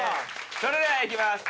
「それではいきます。